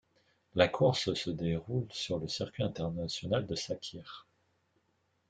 La course se déroule sur le circuit international de Sakhir.